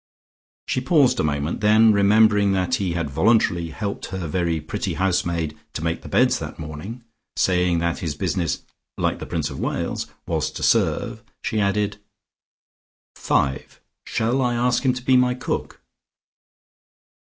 She paused a moment: then remembering that he had voluntarily helped her very pretty housemaid to make the beds that morning, saying that his business (like the Prince of Wales's) was to serve, she added: "(V) Shall I ask him to be my cook?"